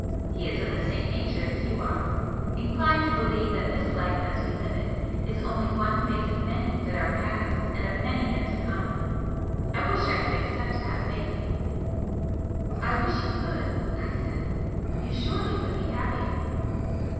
He is of the same nature as you are inclined to believe that this life as we live it is only one phase of many that are past and of many yet to come. I wish I could accept that faith!" "I wish you could!" I said "You surely would be happier."